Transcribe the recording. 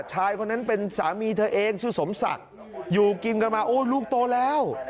ชายคนนั้นเป็นสามีเธอเองชื่อสมศักดิ์อยู่กินกันมาโอ้ยลูกโตแล้ว